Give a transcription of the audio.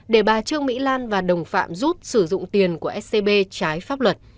để bà trương mỹ lan và đồng phạm rút sử dụng tiền của scb trái pháp luật